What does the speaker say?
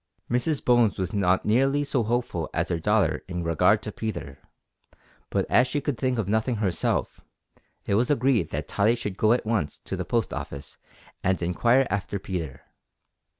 Mrs Bones was not nearly so hopeful as her daughter in regard to Peter, but as she could think of nothing herself, it was agreed that Tottie should go at once to the Post Office and inquire after Peter.